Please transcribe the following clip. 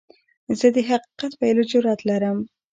زه د حقیقت ویلو جرئت لرم.